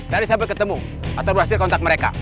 saya bisa berketemu atau berhasil kontak mereka